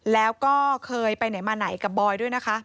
แล้วก็เคยไปไหนมาไหนกับบอยด้วยนะคะ